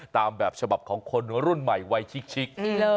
ตามแบบฉบับของคนรุ่นใหม่วัยชิค